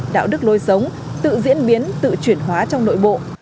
đạo đức lôi sống tự diễn biến tự chuyển hóa trong nội bộ